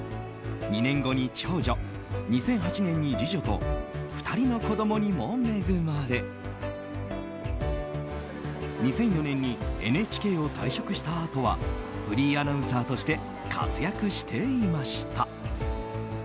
２年後に長女２００８年に次女と２人の子供にも恵まれ２００４年にＮＨＫを退職したあとはフリーアナウンサーとして活躍していました。